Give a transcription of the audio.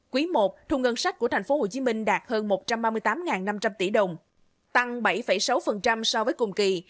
quý i thu ngân sách của thành phố hồ chí minh đạt hơn một trăm ba mươi tám năm trăm linh tỷ đồng tăng bảy sáu so với cùng kỳ